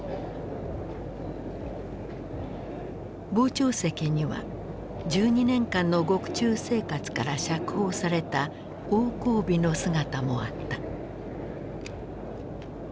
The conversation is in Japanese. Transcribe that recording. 傍聴席には１２年間の獄中生活から釈放された王光美の姿もあった。